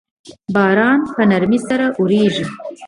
باران په نرمۍ سره اوریږي